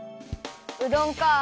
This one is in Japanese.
うどんかあ。